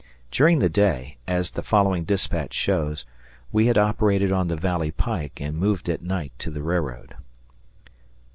During the day, as the following dispatch shows, we had operated on the Valley Pike and moved at night to the railroad.